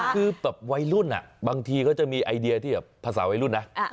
คือแบบวัยรุ่นบางทีเขาจะมีไอเดียที่แบบภาษาวัยรุ่นนะ